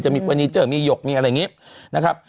มีเฟอร์นิเจอร์มีหยกมีอะไรอย่างนี้นะครับ